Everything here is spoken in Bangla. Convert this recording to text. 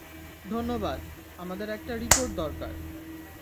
ধন্যবাদ - আমাদের একটা রিপোর্ট দরকার।